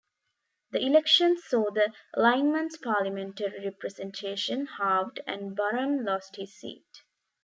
The elections saw the Alignment's parliamentary representation halved, and Baram lost his seat.